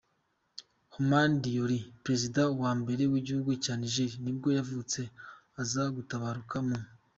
Hamani Diori, perezida wa mbere w’igihugu cya Niger nibwo yavutse, aza gutabaruka mu .